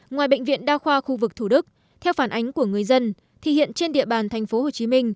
ngoài bệnh viện đa khoa khu vực thủ đức theo phản ánh của người dân thì hiện trên địa bàn tp hcm